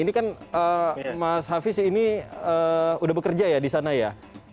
ini kan mas hafiz ini sudah bekerja ya di sana ya